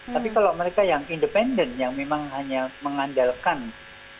tapi kalau mereka yang independen yang memang hanya mengandalkan